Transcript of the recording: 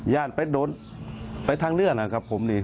ไปโดนไปทางเลื่อนนะครับผมนี่